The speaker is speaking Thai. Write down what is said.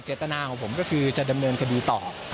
ตนาของผมก็คือจะดำเนินคดีต่อ